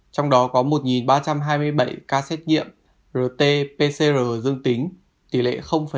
trong đó có một ba trăm hai mươi bảy ca xét nghiệm rt pcr dương tính tỷ lệ năm mươi